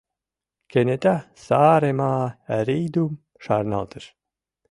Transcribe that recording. Кенета Сааремаа Рийдум шарналтыш.